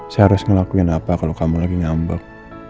saya harus ngelakuin apa kalau kamu lagi nyambek